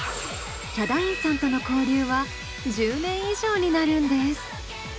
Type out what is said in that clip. ヒャダインさんとの交流は１０年以上になるんです。